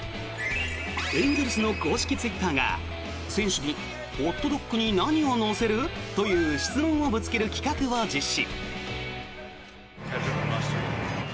エンゼルスの公式ツイッターが選手にホットドッグに何を乗せる？という質問をぶつける企画を実施。